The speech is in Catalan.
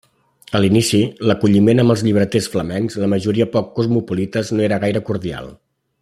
A l'inici, l'acolliment amb els llibreters flamencs, la majoria poc cosmopolites, no era gaire cordial.